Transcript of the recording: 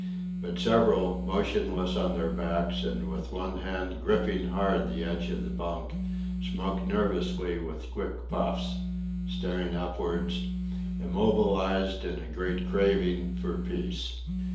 But several, motionless on their backs and with one hand gripping hard the edge of the bunk, smoked nervously with quick puffs, staring upwards; immobilised in a great craving for peace.